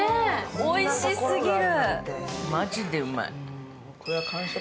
おいしすぎる！